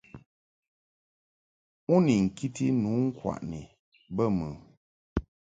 U ni nkiti nu ŋkwaʼni bə mɨ ?